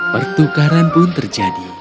pertukaran pun terjadi